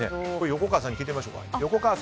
横川さんに聞いてみましょうか。